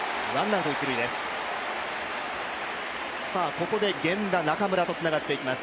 ここで源田中村とつながっていきます。